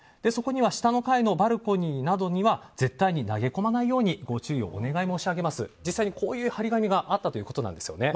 そこには下の階のバルコニーなどへは絶対に投げ込まないようにご注意お願い申し上げますと実際にこういう貼り紙があったそうです。